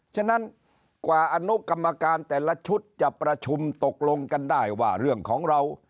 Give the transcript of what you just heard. ฉะนั้นกว่าอนุกรรมการแต่ละชุดจะประชุมตกลงกันได้ว่าเรื่องของเรา